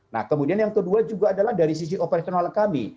nah kemudian yang kedua juga adalah dari sisi operasional kami